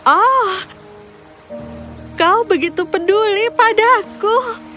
oh kau begitu peduli padaku